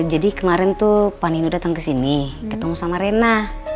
jadi kemarin tuh panino datang ke sini ketemu sama rena